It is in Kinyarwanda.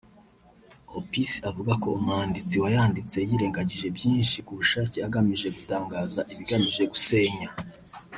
Opis avuga ko umwanditsi wayanditse yirengagije byinshi ku bushake agamije gutangaza ibigamije gusenya